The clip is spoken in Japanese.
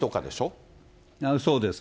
そうです。